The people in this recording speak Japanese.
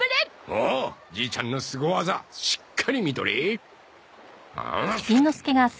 おおじいちゃんのスゴ技しっかり見とれ！